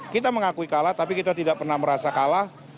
kita mengakui kalah tapi kita tidak pernah merasa kalah